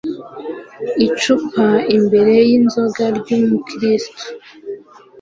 icupa imbere yinzoga ryumu kristo